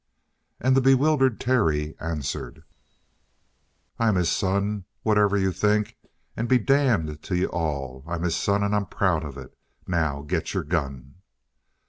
And the bewildered Terry answered: "I'm his son. Whatever you think, and be damned to you all! I'm his son and I'm proud of it. Now get your gun!"